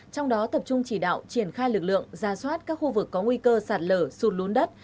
trong đó tập trung chỉ đạo triển khai lực lượng ra soát các khu vực có nguy cơ sạt lở sụt lún đất